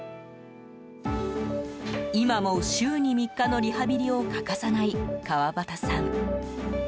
今も、週に３日のリハビリを欠かさない川端さん。